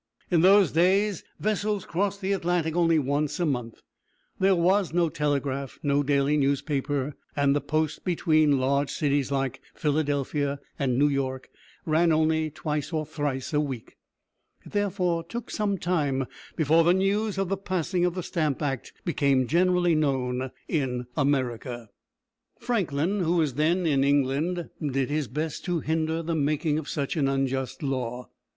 In those days, vessels crossed the Atlantic only once a month. There was no telegraph, no daily newspapers, and the post between large cities like Philadelphia and New York ran only twice or thrice a week. It therefore took some time before the news of the passing of the Stamp Act became generally known in America. Franklin, who was then in England, did his best to hinder the making of such an unjust law.